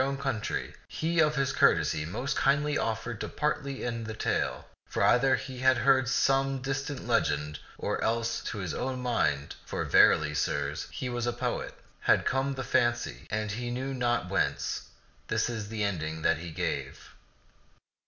t^^ ^c\\i\xt'0 €(xk 177 own country, he of his courtesy most kindly offered to partly end the tale, for either had he heard some dis tant legend, or else to his own mind — for verily, sirs, he was a poet — had come the fancy, and he knew not whence. This is the ending that he gave.